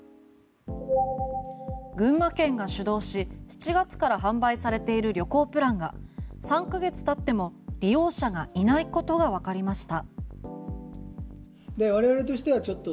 群馬県が主導し７月から販売されている旅行プランが、３ヶ月経っても利用者がいないことがわかりました。